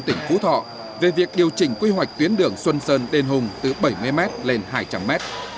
tỉnh phú thọ về việc điều chỉnh quy hoạch tuyến đường xuân sơn đền hùng từ bảy mươi m lên hai trăm linh m